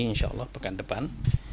insya allah pekan depan